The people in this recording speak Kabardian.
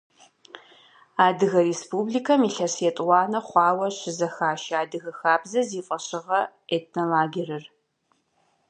Адыгэ Республикэм илъэс етӏуанэ хъуауэ щызэхашэ «Адыгэ хабзэ» зи фӏэщыгъэ этнолагерыр.